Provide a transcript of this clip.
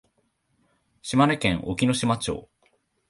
島根県隠岐の島町